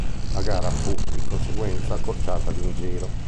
La gara fu, di conseguenza, accorciata di un giro.